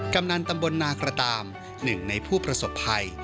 กำนันตำบลนากระตามหนึ่งในผู้ประสบภัย